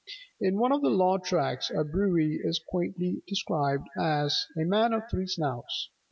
In one of the law tracts a brewy is quaintly described as "a man of three snouts": viz.